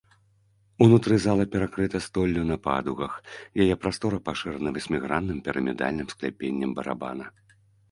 Унутры зала перакрыта столлю на падугах, яе прастора пашырана васьмігранным пірамідальным скляпеннем барабана.